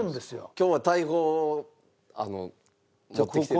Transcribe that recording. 今日は大砲を持ってきてる。